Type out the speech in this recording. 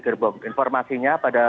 gerbong informasinya pada